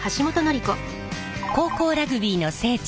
高校ラグビーの聖地